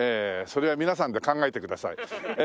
それは皆さんで考えてください。